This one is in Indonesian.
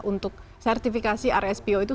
untuk sertifikasi rspo itu